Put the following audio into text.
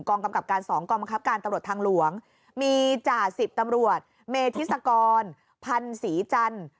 กำกับการสองกองบังคับการตำรวจทางหลวงมีจ่าสิบตำรวจเมธิศกรพันธ์ศรีจันทร์